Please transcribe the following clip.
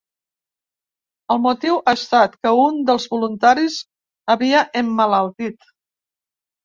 El motiu ha estat que un dels voluntaris havia emmalaltit.